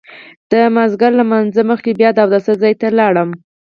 د مازیګر له لمانځه مخکې بیا د اوداسه ځای ته لاړم.